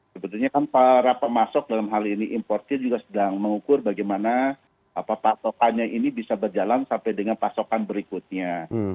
sebetulnya kan para pemasok dalam hal ini importer juga sedang mengukur bagaimana pasokannya ini bisa berjalan sampai dengan pasokan berikutnya